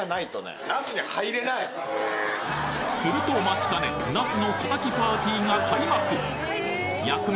するとお待ちかねなすのたたきパーティーが開幕薬味